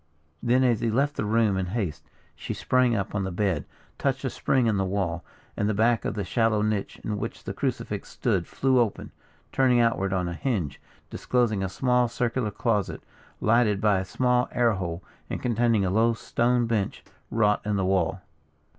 Then, as he left the room in haste, she sprang up on the bed, touched a spring in the wall, and the back of the shallow niche in which the crucifix stood flew open, turning outward on a hinge, disclosing a small circular closet, lighted by a small air hole, and containing a low stone bench, wrought in the wall.